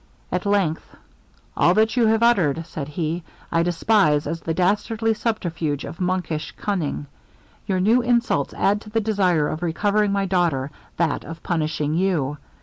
At length 'All that you have uttered,' said he, 'I despise as the dastardly subterfuge of monkish cunning. Your new insults add to the desire of recovering my daughter, that of punishing you.